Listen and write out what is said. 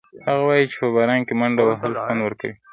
هغه وایي چې په باران کې منډه وهل خوند ورکوي.